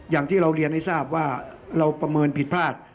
อย่างที่เราเรียนให้ทราบว่าเราประเมินผิดพลาด